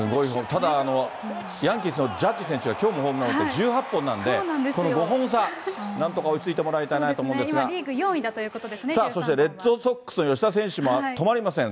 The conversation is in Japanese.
ただ、ヤンキースのジャッジ選手が、きょうもホームラン打って、１８本なんで、５本差、なんとか追いついてもらいたいなと思うんで今、リーグ４位だということさあ、そしてレッドソックスの吉田選手も止まりません。